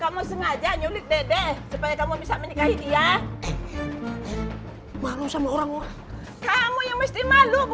kamu sengaja nyulit dedek supaya kamu bisa menikahi dia malu sama orang orang kamu yang mesti malu